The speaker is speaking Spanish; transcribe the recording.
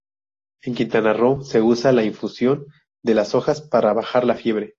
En Quintana Roo, se usa la infusión de las hojas para bajar la fiebre.